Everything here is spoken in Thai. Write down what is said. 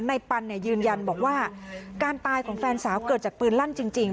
ปันยืนยันบอกว่าการตายของแฟนสาวเกิดจากปืนลั่นจริง